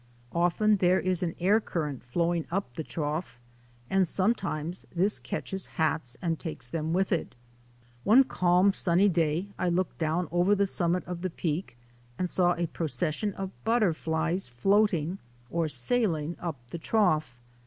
Often there is an air current flowing up the Trough, and sometimes this catches hats and takes them with it. One calm, sunny day I looked down over the summit of the Peak and saw a procession of but terflies floating or sailing up the Trough.